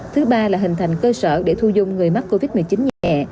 thứ ba là hình thành cơ sở để thu dung người mắc covid một mươi chín nhẹ